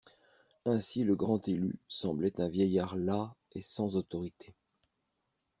Ainsi le Grand-Élu semblait un vieillard las et sans autorité.